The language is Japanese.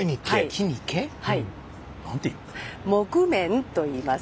「木毛」といいます。